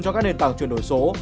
cho các nền tảng chuyển đổi số